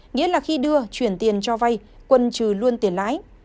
nghĩa là khi đưa chuyển tiền cho vay quân trừ luôn tiền lãi